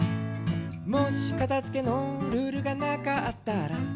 「もしかたづけのルールがなかったら？」